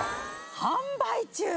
販売中。